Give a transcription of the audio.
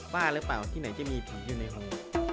ป้าหรือเปล่าที่ไหนจะมีเปลี่ยนพี่ชูในคุณ